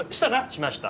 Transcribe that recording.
しました。